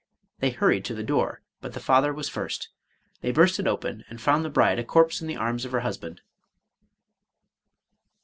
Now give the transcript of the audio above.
They hurried to the door, but the father was first. They burst it open, and found the bride a corse in the arms of her husband.